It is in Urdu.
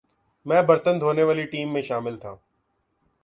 میں برتن دھونے والی ٹیم میں شامل تھا ۔